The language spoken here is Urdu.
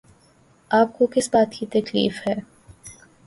آپ کو کس بات کی تکلیف ہے؟